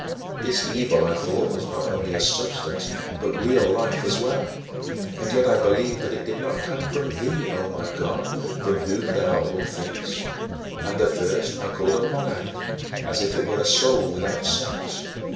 This evil I thought was not only a substance but real life as well, and yet I believed that it did not come from thee, O my God, from whom are all things. And the first I called a Monad, as if it were a soul without sex.